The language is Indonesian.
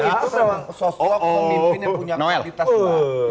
oh itu sudah mbak sosial pemimpin yang punya kualitas mbak